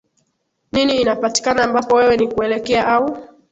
nini inapatikana ambapo wewe ni kuelekea au